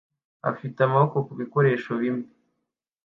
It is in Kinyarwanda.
afite amaboko kubikoresho bimwe